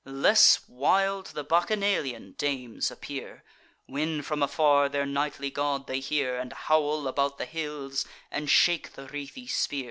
Less wild the Bacchanalian dames appear, When, from afar, their nightly god they hear, And howl about the hills, and shake the wreathy spear.